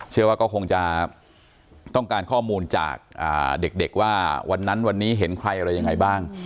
เชื่อว่าก็คงจะต้องการข้อมูลจากเด็กว่าวันนั้นวันนี้เห็นใครอะไรยังไงบ้าง